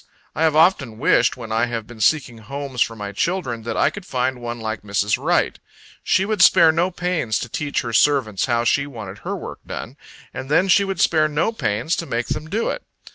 I have often wished, when I have been seeking homes for my children, that I could find one like Mrs. Wright. She would spare no pains to teach her servants how she wanted her work done; and then she would spare no pains to make them do it.